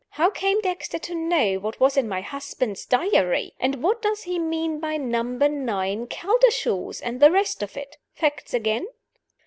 How came Dexter to know what was in my husband's Diary? And what does he mean by 'Number Nine, Caldershaws,' and the rest of it? Facts again?"